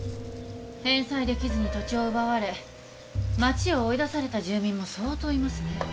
返済できずに土地を奪われ町を追い出された住民も相当いますね。